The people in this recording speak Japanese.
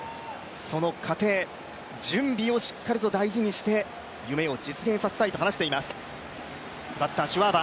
その過程、準備をしっかり大事にして夢を実現させたいと話しています。